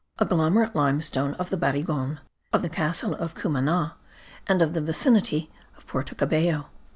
AGGLOMERATE LIMESTONE OF THE BARIGON, OF THE CASTLE OF CUMANA, AND OF THE VICINITY OF PORTO CABELLO.